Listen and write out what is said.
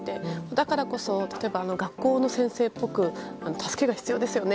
だからこそ例えば学校の先生っぽく助けが必要ですよね？